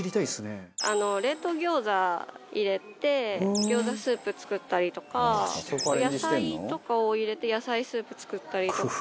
冷凍餃子入れて餃子スープ作ったりとか野菜とかを入れて野菜スープ作ったりとか。